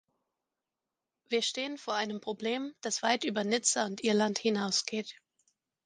Wir stehen vor einem Problem, das weit über Nizza und Irland hinausgeht.